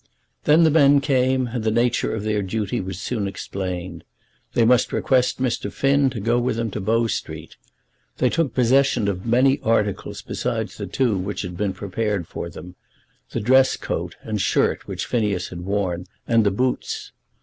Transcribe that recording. Then the men came, and the nature of their duty was soon explained. They must request Mr. Finn to go with them to Bow Street. They took possession of many articles besides the two which had been prepared for them, the dress coat and shirt which Phineas had worn, and the boots.